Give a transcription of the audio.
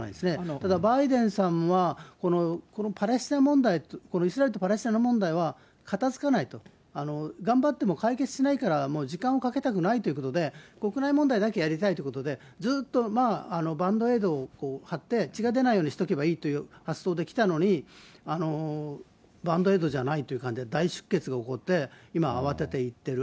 ただ、バイデンさんは、このパレスチナ問題、このイスラエルとパレスチナの問題は片づかないと、頑張っても解決しないから、もう時間をかけたくないということで、国内問題だけやりたいということで、ずっとバンドエイドを貼って血が出ないようにしておけばいいという発想できたのに、バンドエイドじゃないということで大出血が起こって今、慌てて行ってる。